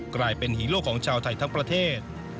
กลายเป็นฮีโร่ของชาวไทยทั้งประเทศ